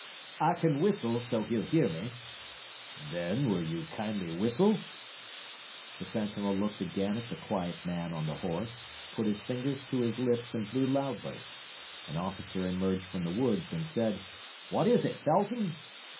"I can whistle so he'll hear me." "Then will you kindly whistle?" The sentinel looked again at the quiet man on the horse, put his fingers to his lips and blew loudly. An officer emerged from the woods and said: "What is it, Felton?"